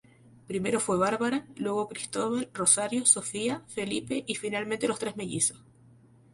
Primero fue Bárbara, luego Cristóbal, Rosario, Sofía, Felipe y finalmente los mellizos.